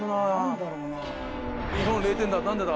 日本０点だ。